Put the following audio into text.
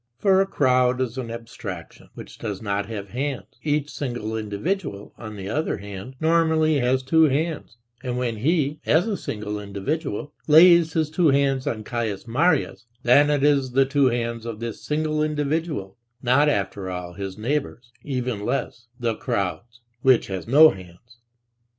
For a crowd is an abstraction, which does not have hands; each single individual, on the other hand, normally has two hands, and when he, as a single individual, lays his two hands on Caius Marius, then it is the two hands of this single individual, not after all his neighbor's, even less the crowd's, which has no hands.